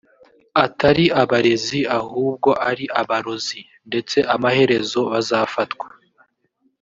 atari abarezi ahubwo ari ‘abarozi’ ndetse amaherezo bazafatwa